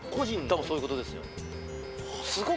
多分そういう事ですよ。